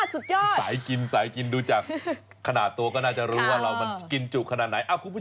สุดยอดสายกินดูจากขนาดตัวก็น่าจะรู้ว่าเราที่น่าจะกินจุกขนาดไหน